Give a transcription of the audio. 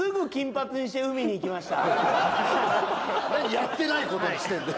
やってないことにしてるんだ。